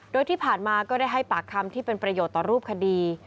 โดยที่ผ่านมาก็ได้ให้ปากคำที่เป็นประโยชน์ต่อรูปคดี